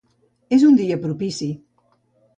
És un dia propici.